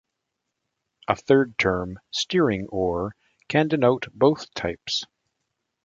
A third term, steering oar, can denote both types.